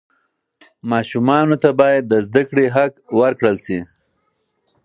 ماشومانو ته باید د زده کړې حق ورکړل سي.